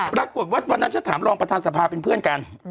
ปรากฏว่าวันนั้นฉันถามรองประธานสภาเป็นเพื่อนกัน